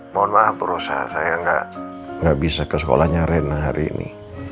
mohon maaf rosa saya nggak bisa ke sekolahnya rena hari ini